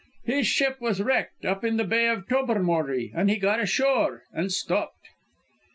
His ship was wrecked up in the Bay of Tobermory and he got ashore and stopped."